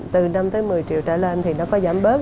từ năm tới một mươi triệu trở lên thì nó có giảm bớt